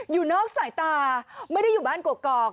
อยู่นอกสายตาไม่ได้อยู่บ้านกอก